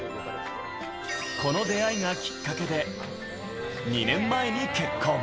この出会いがきっかけで、２年前に結婚。